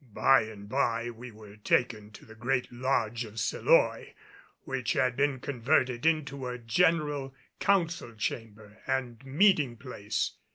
By and by we were taken to the great Lodge of Seloy, which had been converted into a general council chamber and meeting place.